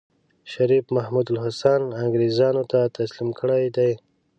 شريف محمودالحسن انګرېزانو ته تسليم کړی دی.